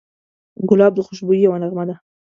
ګلاب د خوشبویۍ یوه نغمه ده.